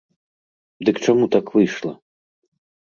Дык чаму так выйшла?